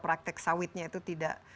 praktek sawitnya itu tidak